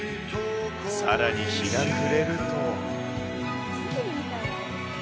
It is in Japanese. さらに、日が暮れると。